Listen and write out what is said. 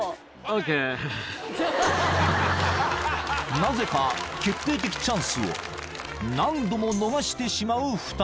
［なぜか決定的チャンスを何度も逃してしまう２人］